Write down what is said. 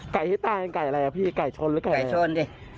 ไก่ที่ตายไงไก่อะไรอ่ะพี่ไก่ชนไหมไก่ชน